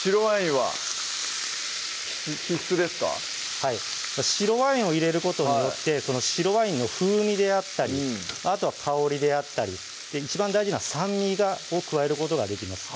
はい白ワインを入れることによって白ワインの風味であったりあとは香りであったり一番大事なのは酸味を加えることができます